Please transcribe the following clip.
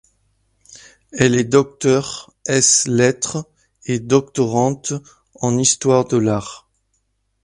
Elle est docteur es lettre et doctorante en histoire de l’art.